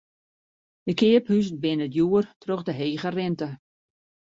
De keaphuzen binne djoer troch de hege rinte.